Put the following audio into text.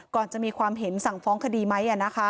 ก่อนจะมีความเห็นสั่งฟ้องคดีไหม